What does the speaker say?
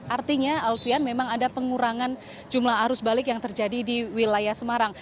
artinya alfian memang ada pengurangan jumlah arus balik yang terjadi di wilayah semarang